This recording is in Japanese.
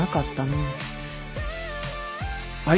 はい？